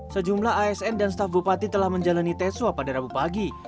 sejumlah asn dan staf bupati telah menjalani tes swab pada rabu pagi